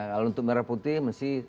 kalau untuk merah putih mesti